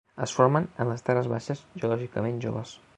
Es formen en les terres baixes geològicament joves.